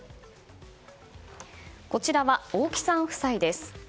こちらは大木さん夫婦です。